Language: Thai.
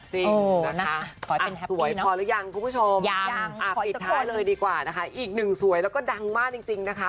จริงนะคะสวยพอสิอย่างกูผู้ชมอีกหนึ่งสวยแล้วก็ดังมากจริงนะคะ